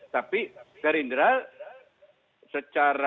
tapi gerindra secara